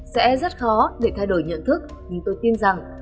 sẽ rất khó để thay đổi nhận thức nhưng tôi tin rằng